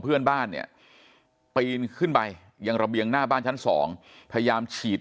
เพื่อนบ้านเนี่ยปีนขึ้นไปยังระเบียงหน้าบ้านชั้น๒พยายามฉีด